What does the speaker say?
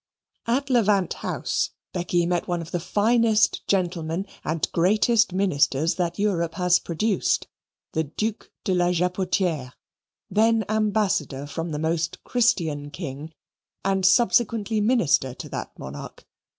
At Levant House Becky met one of the finest gentlemen and greatest ministers that Europe has produced the Duc de la Jabotiere, then Ambassador from the Most Christian King, and subsequently Minister to that monarch.